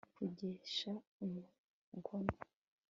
kuregesha umugono